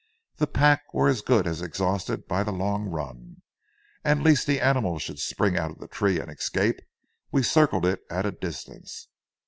The pack were as good as exhausted by the long run, and, lest the animal should spring out of the tree and escape, we circled it at a distance.